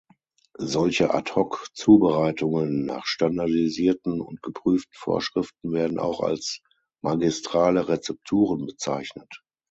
Solche Ad-hoc-Zubereitungen nach standardisierten und geprüften Vorschriften werden auch als magistrale Rezepturen bezeichnet.